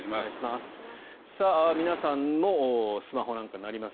皆さんのスマホなんかにもあります